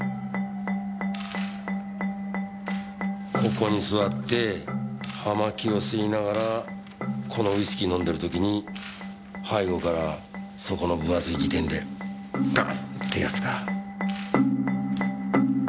ここに座って葉巻を吸いながらこのウイスキー飲んでる時に背後からそこの分厚い事典でゴンってやつか。